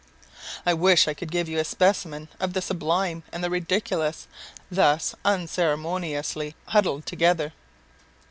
I wish I could give you a specimen of the sublime and the ridiculous, thus unceremoniously huddled together.